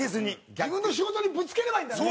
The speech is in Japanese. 自分の仕事にぶつければいいんだよね。